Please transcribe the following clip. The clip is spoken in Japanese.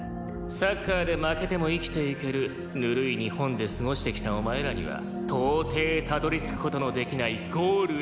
サッカーで負けても生きていけるぬるい日本で過ごしてきたお前らには到底たどり着く事のできないゴールへの飢え。